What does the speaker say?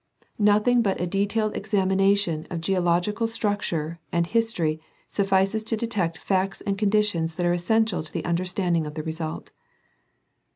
Nothing but a detailed examination of geological structure and history suffices to detect facts and conditions that are essential to the understanding of the result.